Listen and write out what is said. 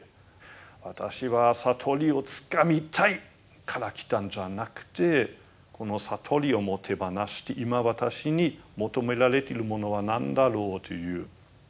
私は悟りをつかみたいから来たんじゃなくてこの悟りをも手放して今私に求められているものは何だろうという。